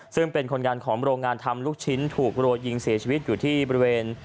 ซึ่งเป็นคนงานของโรงงานทำลูกชิ้นถูกรัวยิงเสียชีวิตอยู่ที่บริเวณ